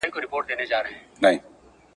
نه په پښو کي یې لرل کاږه نوکونه !.